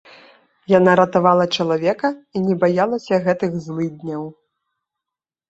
Яна ратавала чалавека і не баялася гэтых злыдняў.